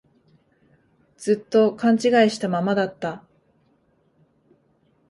ずっと勘違いしたままだった